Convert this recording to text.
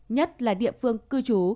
nhất là địa phương cư trú